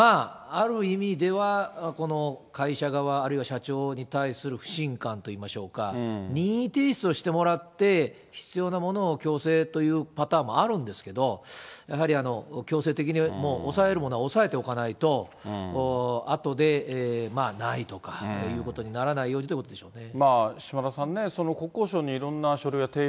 まあ、ある意味では、この会社側、あるいは社長に対する不信感といいましょうか、任意提出をしてもらって、必要なものを強制というパターンもあるんですけど、やはり強制的に、もう押さえるものは押さえておかないと、あとでないとかいうことにならないようにということでしょうね。